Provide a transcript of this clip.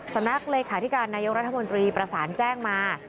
สำนักเลขาธิการนายกรัฐมนตรีประสานแจ้งมา